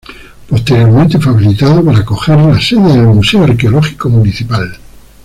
Posteriormente fue habilitado para acoger la sede del Museo Arqueológico Municipal.